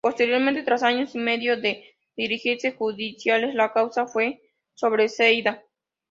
Posteriormente, tras año y medio de diligencias judiciales, la causa fue sobreseída.